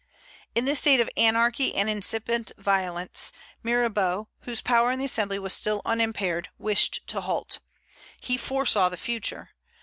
In this state of anarchy and incipient violence, Mirabeau, whose power in the Assembly was still unimpaired, wished to halt. He foresaw the future.